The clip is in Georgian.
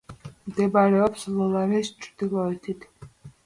მდებარეობს ლოლანის ჩრდილოეთით.